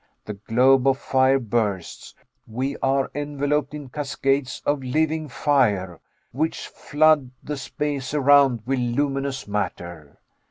The globe of fire bursts we are enveloped in cascades of living fire, which flood the space around with luminous matter.